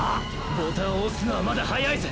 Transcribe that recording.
ボタンを押すのはまだ早いぜ。